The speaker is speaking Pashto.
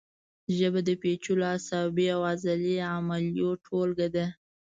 ژبه د پیچلو عصبي او عضلي عملیو ټولګه ده